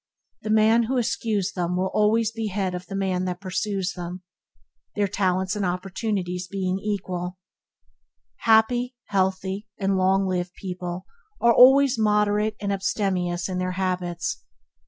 The man who eschews them will always be head of the man that pursues them, their talents and opportunities being equal. Healthy, happy, and long lived people are always moderate and abstemious in their habits.